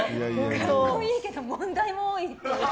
格好いいけど問題も多いっていうね。